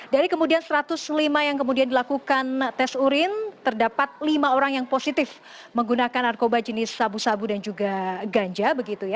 dari kemudian satu ratus lima yang kemudian dilakukan tes urin terdapat lima orang yang positif menggunakan narkoba jenis sabu sabu dan juga ganja